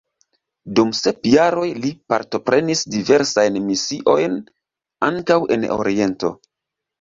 Dum sep jaroj li partoprenis diversajn misiojn, ankaŭ en oriento.